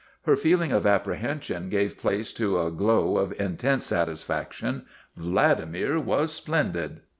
Her feeling of apprehension gave place to a glow of in tense satisfaction. Vladimir w r as splendid!